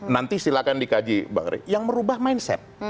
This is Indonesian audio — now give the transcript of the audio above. nanti silahkan dikaji mbak eri yang merubah mindset